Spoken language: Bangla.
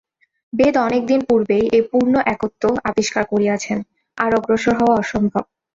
বেদ অনেক দিন পূর্বেই এই পূর্ণ একত্ব আবিষ্কার করিয়াছেন, আর অগ্রসর হওয়া অসম্ভব।